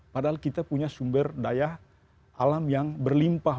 padahal kita punya sumber daya alam yang berlimpah